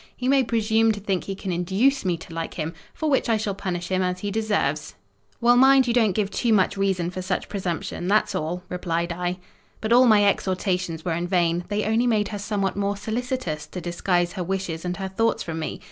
He may presume to think he can induce me to like him; for which I shall punish him as he deserves." "Well, mind you don't give too much reason for such presumption—that's all," replied I. But all my exhortations were in vain: they only made her somewhat more solicitous to disguise her wishes and her thoughts from me.